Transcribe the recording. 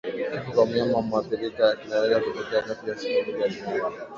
Kifo kwa mnyama muathirika kinaweza kutokea kati ya siku mbili hadi nane